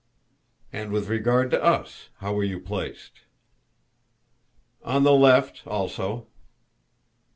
"And with regard to us, how were you placed?" "On the left also."